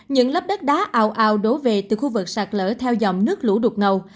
những lớp đất đá ảo ảo đổ về từ khu vực sạt lở theo dòng nước lũ đục ngầu